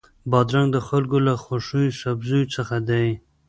بادرنګ د خلکو له خوښو سبزیو څخه دی.